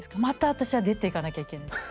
また私は出ていかなきゃいけない！